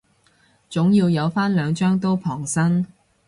總要有返兩張刀傍身